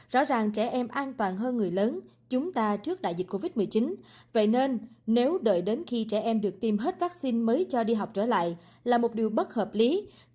rõ ràng trẻ em an toàn hơn người lớn chúng ta trước đại dịch covid một mươi chín vậy nên nếu đợi đến khi trẻ em được tiêm hết vaccine mới cho đi học trở lại là một điều bất hợp lý